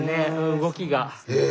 動きが。へ。